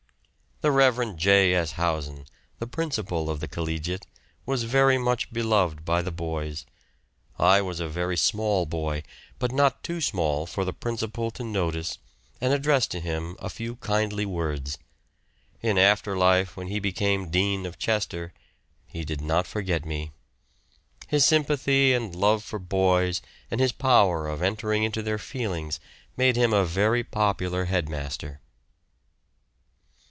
The Rev. J. S. Howson, the principal of the Collegiate, was very much beloved by the boys. I was a very small boy, but not too small for the principal to notice and address to him a few kindly words; in after life, when he became Dean of Chester, he did not forget me. His sympathy and love for boys and his power of entering into their feelings made him a very popular head master.